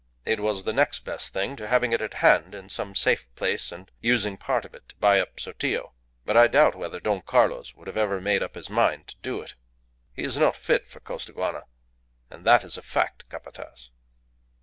It was the next best thing to having it at hand in some safe place, and using part of it to buy up Sotillo. But I doubt whether Don Carlos would have ever made up his mind to it. He is not fit for Costaguana, and that is a fact, Capataz."